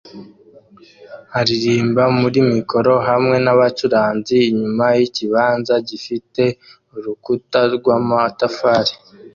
aririmba muri mikoro hamwe nabacuranzi inyuma yikibanza gifite urukuta rwamatafari